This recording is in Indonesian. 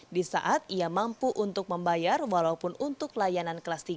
di saat ia mampu untuk membayar walaupun untuk layanan kelas tiga